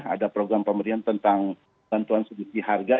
ada program pemerintahan tentang tentuan sedikit harga